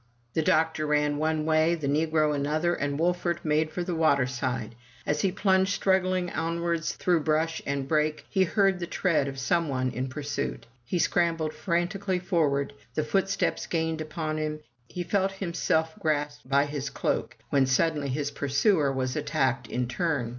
The doctor ran one way, the negro another, and Wolfert made for the water side. As he plunged struggling onwards through brush and brake, he heard the tread of some one in pursuit. He scrambled frantically for ward. The footsteps gained upon him. He felt himself grasped by his cloak, when suddenly his pursuer was attacked in turn.